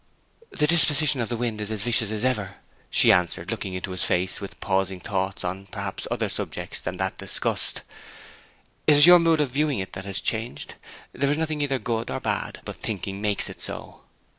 'The disposition of the wind is as vicious as ever,' she answered, looking into his face with pausing thoughts on, perhaps, other subjects than that discussed. 'It is your mood of viewing it that has changed. "There is nothing either good or bad, but thinking makes it so."'